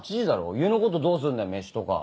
家のことどうすんだよメシとか。